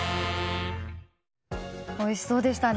おいしそうでしたね。